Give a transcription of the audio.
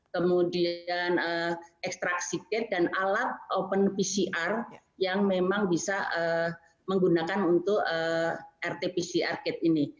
kemudian ekstrak si ked dan alat open pcr yang memang bisa menggunakan untuk rt pcr ked ini